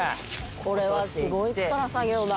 これはすごい力作業だ